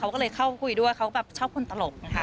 เขาก็เลยเข้าคุยด้วยเขาแบบชอบคนตลกนะคะ